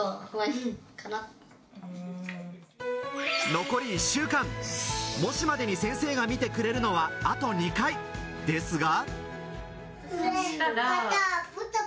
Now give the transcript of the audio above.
残り１週間、模試までに先生が見てくれるのはあと２回ですが。